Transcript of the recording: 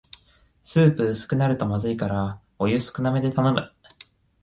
スープ薄くするとまずいからお湯少なめで頼む